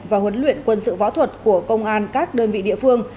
và huấn luyện quân sự võ thuật của công an các đơn vị địa phương